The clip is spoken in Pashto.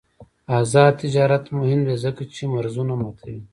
آزاد تجارت مهم دی ځکه چې مرزونه ماتوي.